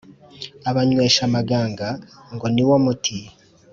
Abanywesha amaganga ngo niwo muti